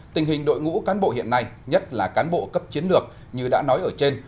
tình hình đội ngũ cán bộ hiện nay nhất là cán bộ cấp chiến lược như đã nói ở trên